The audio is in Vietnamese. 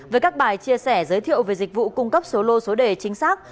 với các bài chia sẻ giới thiệu về dịch vụ cung cấp số lô số đề chính xác